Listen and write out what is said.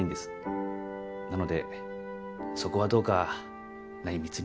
なのでそこはどうか内密に。